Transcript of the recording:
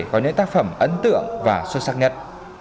có những tác phẩm ấn tượng và xuất sắc nhất